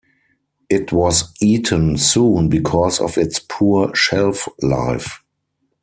It was eaten soon because of its poor shelf life.